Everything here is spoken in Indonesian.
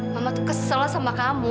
mama tuh keselnya sama kamu